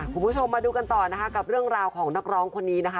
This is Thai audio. คุณผู้ชมมาดูกันต่อนะคะกับเรื่องราวของนักร้องคนนี้นะคะ